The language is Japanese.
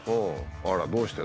あらどうして？